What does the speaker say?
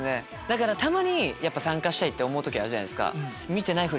たまに参加したいって思う時あるじゃないですか。